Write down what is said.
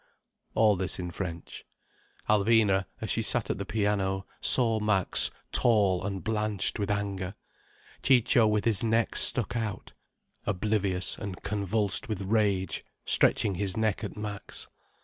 All this in French. Alvina, as she sat at the piano, saw Max tall and blanched with anger; Ciccio with his neck stuck out, oblivious and convulsed with rage, stretching his neck at Max.